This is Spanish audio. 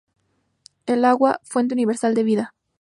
El agua: fuente universal de vida.